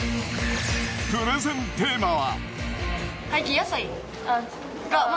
プレゼンテーマは。